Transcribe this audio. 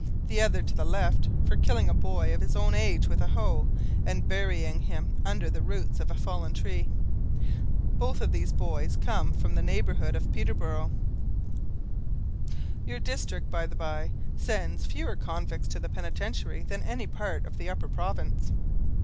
The other, to the left, for killing a boy of his own age with a hoe, and burying him under the roots of a fallen tree. Both of these boys come from the neighbourhood of Peterboro'. Your district, by the bye, sends fewer convicts to the Penitentiary than any part of the Upper Province."